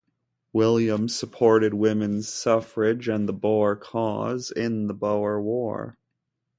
William supported women's suffrage and the Boer cause in the Boer War.